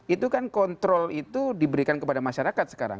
itu kan kontrol itu diberikan kepada masyarakat sekarang